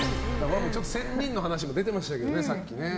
仙人の話も出てましたけどね、さっき。